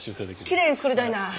きれいに作りたいな。